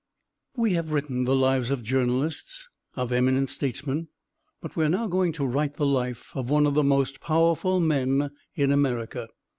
We have written the lives of journalists, of eminent statesmen, but we are now going to write the life of one of the most powerful men in America.